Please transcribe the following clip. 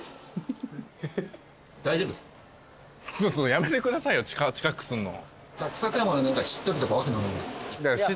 やめてくださいよ近くすんの。